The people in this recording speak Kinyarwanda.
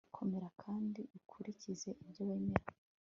komera kandi ukurikize ibyo wemera